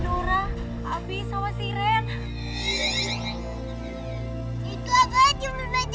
itu aku saja yang membaca